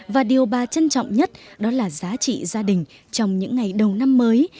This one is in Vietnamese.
và điều bà trân trọng nhất đó là giá trị gia đình trong những ngày đầu năm mới